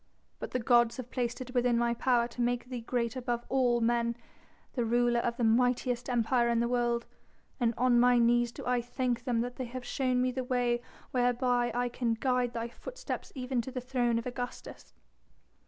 But the gods have placed it within my power to make thee great above all men, the ruler of the mightiest Empire in the world, and on my knees do I thank them that they have shown me the way whereby I can guide thy footsteps even to the throne of Augustus."